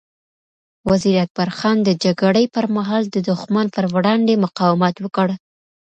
وزیر اکبر خان د جګړې پر مهال د دښمن پر وړاندې مقاومت وکړ.